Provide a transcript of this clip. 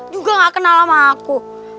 juga gak kenal sama aku